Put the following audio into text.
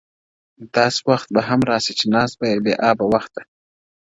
داسي وخت هم راسي _ چي ناست به يې بې آب وخت ته _